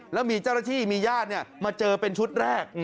แล้วมีเจ้าหน้าที่มีญาติมาเจอเป็นชุดแรก